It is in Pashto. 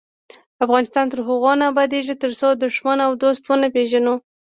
افغانستان تر هغو نه ابادیږي، ترڅو دښمن او دوست ونه پیژنو.